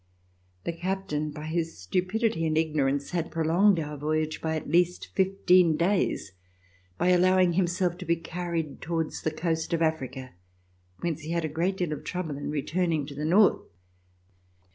The captain by his stupidity and ignorance had prolonged our voyage by at least fifteen days by allowing himself to be carried towards the coast of Africa, whence he had a great deal of trouble in returning to the north.